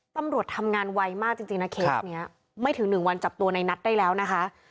ตำรวจทำงานไวมากจริงนะเคสนี้ไม่ถึงหนึ่งวันจับตัวในนัทได้แล้วนะคะ